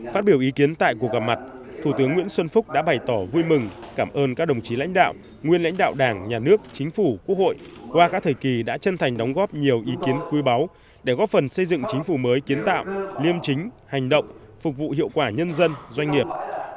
phát biểu ý kiến tại cuộc gặp mặt thủ tướng nguyễn xuân phúc đã bày tỏ vui mừng cảm ơn các đồng chí lãnh đạo nguyên lãnh đạo đảng nhà nước chính phủ quốc hội qua các thời kỳ đã chân thành đóng góp nhiều ý kiến quý báu để góp phần xây dựng chính phủ mới kiến tạo liêm chính hành động phục vụ hiệu quả nhân dân doanh nghiệp